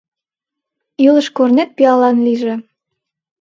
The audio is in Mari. Илыш-корнет пиалан лийже!